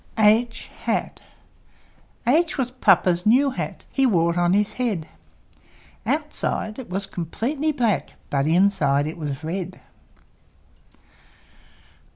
H H was Papa's new Hat; He wore it on his head; Outside it was completely black, But inside it was red.